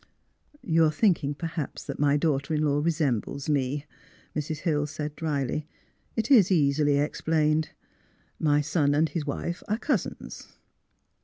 " You are thinking perhaps that my daughter in law resembles me," Mrs. Hill said, drj4y. '^ It is easily explained; my son and his wife are cousins."